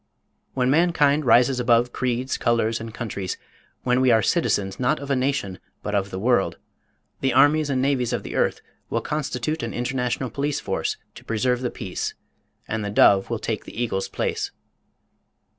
When mankind rises above creeds, colors and countries, when we are citizens, not of a nation, but of the world, the armies and navies of the earth will constitute an international police force to preserve the peace and the dove will take the eagle's place.